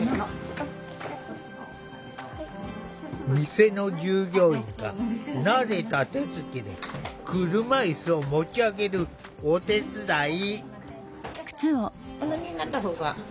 店の従業員が慣れた手つきで車いすを持ち上げるお手伝い。